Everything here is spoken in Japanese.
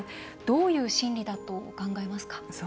どういう心理だと考えますか？